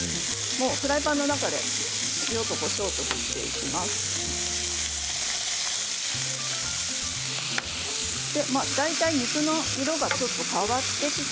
フライパンの中で塩とこしょうを振っていきます。